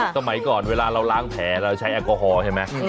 สมัยก่อนเวลาเราล้างแผลเราใช้แอลกอฮอล์ใช่ไหม